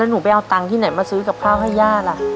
หนูไปเอาตังค์ที่ไหนมาซื้อกับข้าวให้ย่าล่ะ